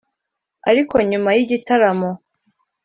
Ariko nyuma y’igitaramo